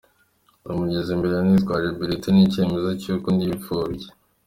Namugeze imbere nitwaje bulletin n’icyemezo cy’uko ndi imfubyi.